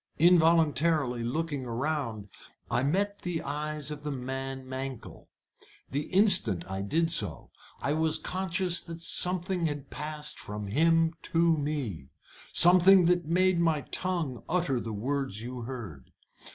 Involuntarily looking round, I met the eyes of the man Mankell. The instant I did so I was conscious that something had passed from him to me, something that made my tongue utter the words you heard.